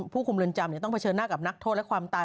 ผู้คุมเรือนจำต้องเผชิญหน้ากับนักโทษและความตาย